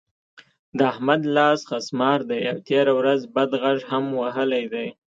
د احمد لاس خسمار دی؛ او تېره ورځ بد غږ هم وهلی دی.